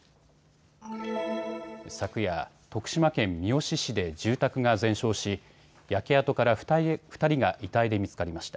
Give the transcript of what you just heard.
昨夜、徳島県三好市で住宅が全焼し焼け跡から２人が遺体で見つかりました。